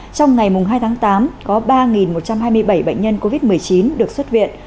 trong ngày hai tháng tám có ba một trăm hai mươi bảy bệnh nhân covid một mươi chín được xuất viện